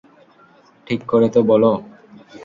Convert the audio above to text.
ঠিক করে তো বলো।